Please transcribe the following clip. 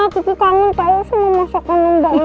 kiki kangen kayaknya semua masa kangen danding